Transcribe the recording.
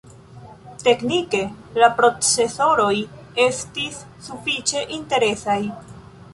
Teknike la procesoroj estis sufiĉe interesaj.